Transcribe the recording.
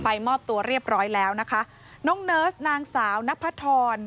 มอบตัวเรียบร้อยแล้วนะคะน้องเนิร์สนางสาวนพธร